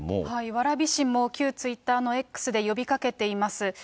蕨市も旧ツイッターのＸで呼びかけています。